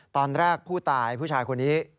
ตอนแรกผู้ตายผู้ชายคนนี้